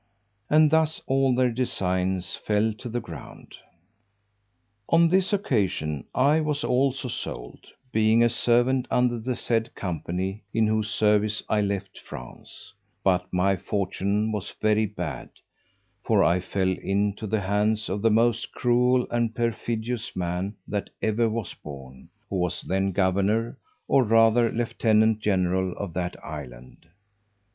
And thus all their designs fell to the ground. On this occasion I was also sold, being a servant under the said company in whose service I left France: but my fortune was very bad, for I fell into the hands of the most cruel and perfidious man that ever was born, who was then governor, or rather lieutenant general, of that island.